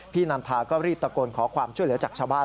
นันทาก็รีบตะโกนขอความช่วยเหลือจากชาวบ้าน